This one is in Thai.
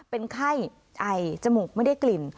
เป็นไข้ไอจมูกไม่ได้กลิ่น